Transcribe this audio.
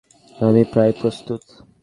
আমি প্রায় প্রস্তুত।